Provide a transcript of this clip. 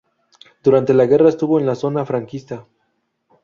Durante la guerra estuvo en la zona franquista.